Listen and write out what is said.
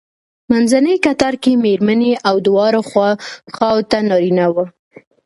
منځنی کتار کې مېرمنې او دواړو خواوو ته نارینه وو.